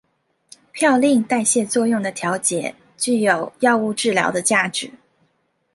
嘌呤代谢作用的调节具有药物治疗的价值。